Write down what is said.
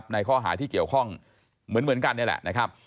ในข้อหาที่เกี่ยวข้องเหมือนกันนี่แหละนะครับ